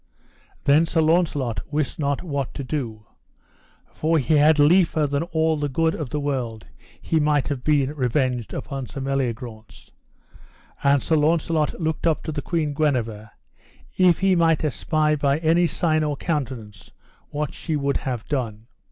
Then Sir Launcelot wist not what to do, for he had had liefer than all the good of the world he might have been revenged upon Sir Meliagrance; and Sir Launcelot looked up to the Queen Guenever, if he might espy by any sign or countenance what she would have done.